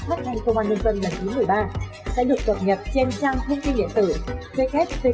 phát thanh công an nhân dân lần thứ một mươi ba sẽ được cập nhật trên trang thông tin điện tử www amtv gov vn